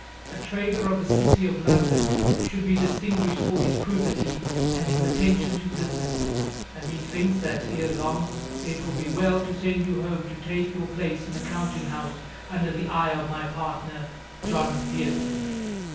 A trader of the city of London should be distinguished for his probity and his attention to business; and methinks that, ere long, it will be well to send you home to take your place in the counting house under the eye of my partner, John Pearson.